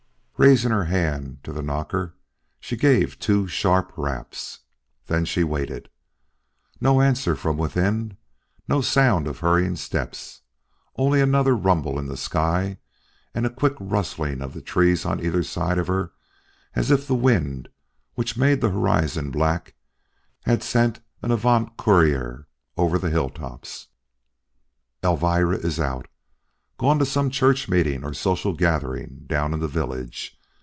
Raising her hand to the knocker, she gave two sharp raps. Then she waited. No answer from within no sound of hurrying steps only another rumble in the sky and a quick rustling of the trees on either side of her as if the wind which made the horizon black had sent an avant courieur over the hilltops. "Elvira is out gone to some church meeting or social gathering down in the village.